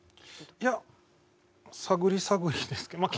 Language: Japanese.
いや探り探りですけどまあ